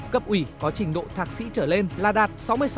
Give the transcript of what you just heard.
cấp ủy có trình độ thạc sĩ trở lên là đạt sáu mươi sáu sáu mươi bảy